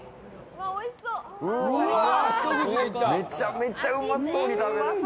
めちゃめちゃうまそうに食べる。